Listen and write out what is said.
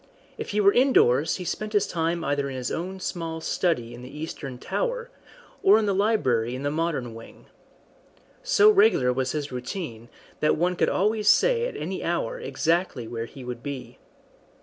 If he were indoors he spent his time either in his own small study in the Eastern Tower, or in the library in the modern wing. So regular was his routine that one could always say at any hour exactly where he would be.